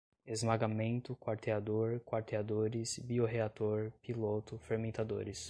esmagamento, quarteador, quarteadores, biorreator, piloto, fermentadores